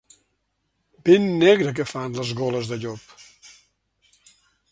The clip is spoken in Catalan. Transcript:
Ben negra que fan les goles de llop.